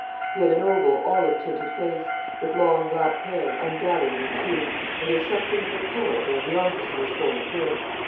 He had an oval, olive tinted face, with long black hair, ungathered in a queue, and there was something of the poet or of the artist in his whole appearance.